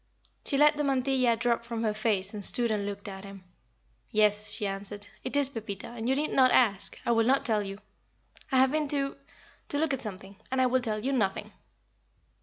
She let the mantilla drop from her face and stood and looked at him. "Yes," she answered, "it is Pepita; and you need not ask I will not tell you. I have been to to look at something and I will tell you nothing."